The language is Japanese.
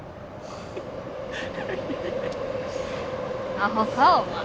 アホかお前。